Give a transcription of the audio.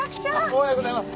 おはようございます！